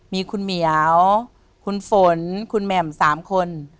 มีคุณเหมียวคุณฝนคุณแหม่ม๓คน